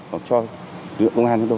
hoặc cho lực lượng công an